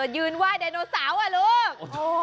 ยืนไหว้ดานโนเสาล่ะลูก